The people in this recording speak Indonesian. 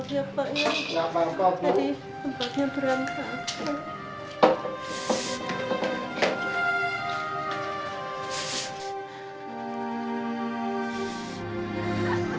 tadi tempatnya berantakan